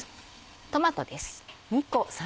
トマトです。